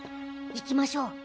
行きましょう。